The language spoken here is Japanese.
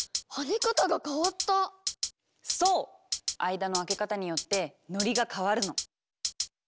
間の空け方によってノリが変わるの。